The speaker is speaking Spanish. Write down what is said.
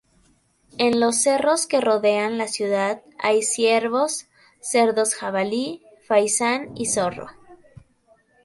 En los cerros que rodean la ciudad, hay ciervos, cerdos jabalí, faisán y zorro.